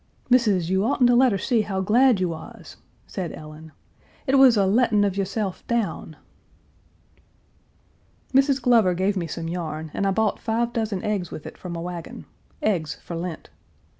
"Missis, you oughtn't to let her see how glad you was," said Ellen. "It was a lettin' of yo'sef down." Mrs. Glover gave me some yarn, and I bought five dozen eggs with it from a wagon eggs for Lent.